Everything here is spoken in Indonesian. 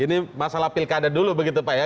ini masalah pilkada dulu begitu pak ya